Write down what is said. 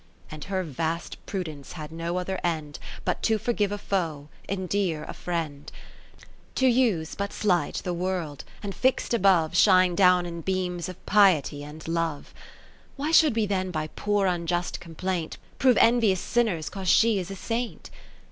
And her vast prudence had no other end, But to forgive a foe, endear a fdend : To use, but slight, the World ; and fixt above. Shine down in beams of Piety and Love. Mrs, Owen of Orielton Why should we then by poor un just complaint Prove envious sinners 'cause she is a Saint